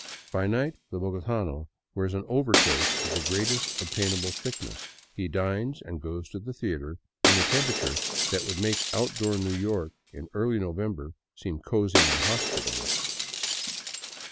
By night the bogotano wears an overcoat of the greatest obtainable thickness, he dines and goes to the theater in a temperature that would make outdoor New York in early November seem cozy and hospitable.